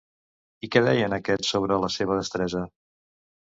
I què deien aquests sobre la seva destresa?